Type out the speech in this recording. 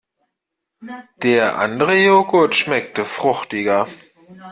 Der andere Joghurt schmeckte fruchtiger.